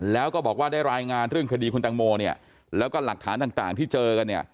แล้วก็บอกว่าได้รายงานเรื่องคดีคุณตังโมเนี่ยแล้วก็หลักฐานต่างที่เจอกันเนี่ย